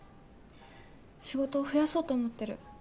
仕事を増やそうと思ってる。